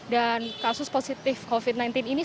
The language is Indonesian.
dan kasus positif covid sembilan belas ini